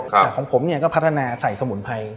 แต่ของผมเนี่ยก็พัฒนาใส่สมุนไพร